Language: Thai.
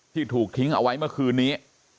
ที่ถูกทิ้งเอาไว้เมื่อคืนนี้